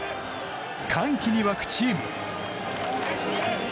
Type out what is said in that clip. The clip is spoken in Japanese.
歓喜に沸くチーム。